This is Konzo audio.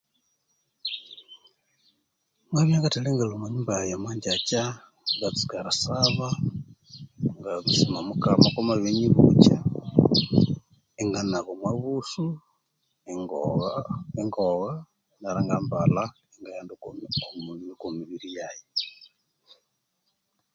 Ngabya ngathali ngalhwa omwa nyumba yayi omwa ngyakya ngatsuka erisaba ngabisima omukama kwa mabinyibukya inganaba omwa busu ingogha ingogha neryo inga mbalha ingaghenda okwa okwa mibiri yayi